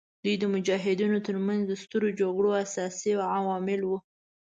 دوی د مجاهدینو تر منځ د سترو جګړو اساسي عوامل وو.